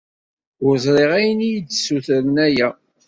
Ur ẓriɣ ayen i yi-d-ssutrent aya.